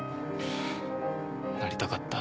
なりたかった。